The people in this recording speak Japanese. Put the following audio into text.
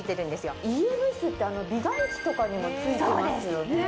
ＥＭＳって美顔器とかにも付いてますよね。